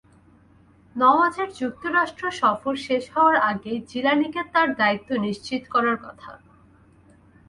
নওয়াজের যুক্তরাষ্ট্র সফর শেষ হওয়ার আগেই জিলানিকে তাঁর দায়িত্ব নিশ্চিত করার কথা।